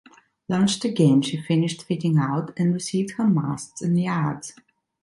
Launched again, she finished fitting out, and received her masts and yards.